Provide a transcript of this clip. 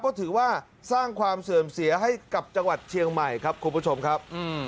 ก็ถือว่าสร้างความเสื่อมเสียให้กับจังหวัดเชียงใหม่ครับคุณผู้ชมครับ